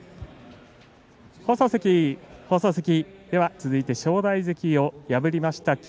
続いて正代関を破りました霧